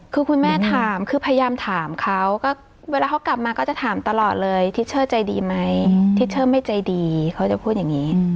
คือคุณแม่ถามคือพยายามถามเขาก็เวลาเขากลับมาก็จะถามตลอดเลยทิชเชอร์ใจดีไหมทิชเชอร์ไม่ใจดีเขาจะพูดอย่างนี้